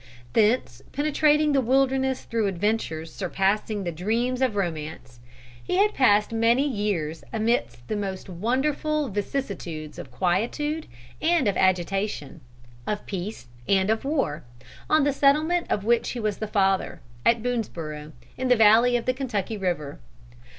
Thence penetrating the wilderness through adventures surpassing the dreams of romance, he had passed many years amidst the most wonderful vicissitudes of quietude and of agitation, of peace and of war, on the settlement of which he was the father, at Boonesborough, in the valley of the Kentucky river.